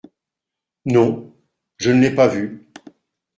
Non… je ne l’ai pas vu…